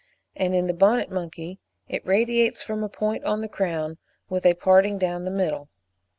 and in the Bonnet monkey (Macacus radiatus) it radiates from a point on the crown, with a parting down the middle.